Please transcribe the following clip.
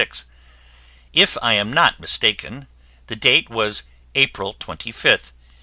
If I am not mistaken the date was April 25th.